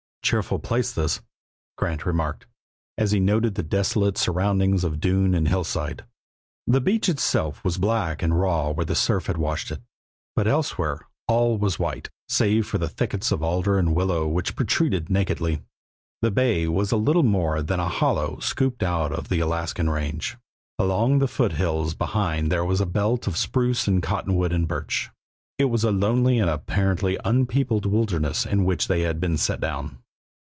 "Cheerful place, this," Grant remarked, as he noted the desolate surroundings of dune and hillside. The beach itself was black and raw where the surf washed it, but elsewhere all was white, save for the thickets of alder and willow which protruded nakedly. The bay was little more than a hollow scooped out of the Alaskan range; along the foothills behind there was a belt of spruce and cottonwood and birch. It was a lonely and apparently unpeopled wilderness in which they had been set down.